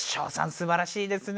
すばらしいですね。